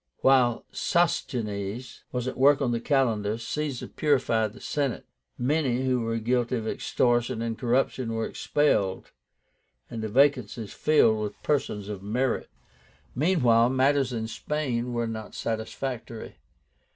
While Sosigenes was at work on the calendar, Caesar purified the Senate. Many who were guilty of extortion and corruption were expelled, and the vacancies filled with persons of merit. Meanwhile matters in Spain were not satisfactory.